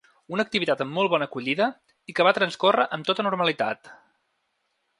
Una activitat amb molt bona acollida i que va transcorre amb tota normalitat.